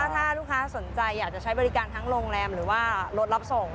ถ้าลูกค้าสนใจอยากจะใช้บริการทั้งโรงแรมหรือว่ารถรับส่ง